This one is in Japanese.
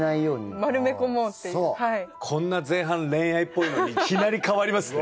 こんな前半恋愛っぽいのにいきなり変わりますね。